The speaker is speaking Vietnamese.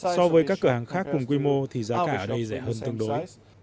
so với các cửa hàng khác cùng quy mô thì giá cả ở đây rẻ hơn tương đối